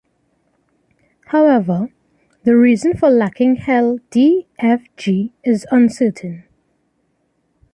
However, the reason for lacking Hell D, F, G is uncertain.